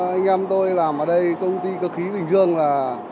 anh em tôi làm ở đây công ty cơ khí bình dương là